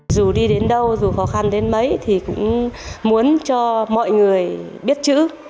dù đi đến đâu dù khó khăn đến mấy thì cũng muốn cho mọi người biết chữ